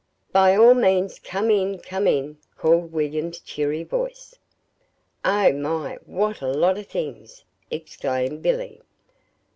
"By all means! Come in come in," called William's cheery voice. "Oh, my, what a lot of things!" exclaimed Billy.